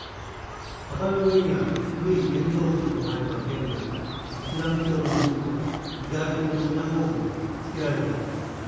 墓の上にある古い建造物の内部は現在イスラム教のモスクとユダヤ教のシナゴーグに仕切られています。